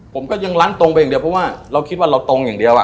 ผมก็ยังลั้นตรงไปอย่างเดียวเพราะว่าเราคิดว่าเราตรงอย่างเดียวอ่ะ